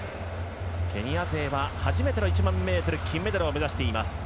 ケニア勢は初めての１００００ｍ金メダルを目指しています。